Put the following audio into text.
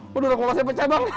waduh aku mau pasnya pecah banget